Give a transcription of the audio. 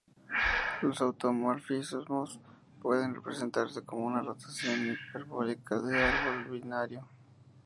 Los automorfismos pueden representarse como una rotación hiperbólica del árbol binario.